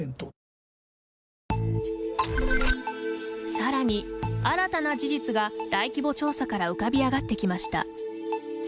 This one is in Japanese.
さらに、新たな事実が大規模調査から浮かび上がってきました。